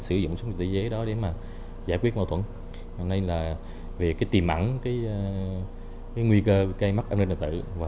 sử dụng sống tự chế đó để mà giải quyết mâu thuẫn nên là về cái tìm ảnh cái cái nguy cơ cây mắt